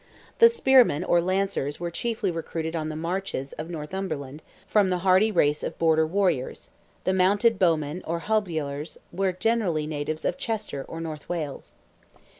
The spearmen or lancers were chiefly recruited on the marches of Northumberland from the hardy race of border warriors; the mounted bowmen or hobilers were generally natives of Chester or North Wales.